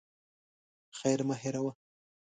خير مه هېروه.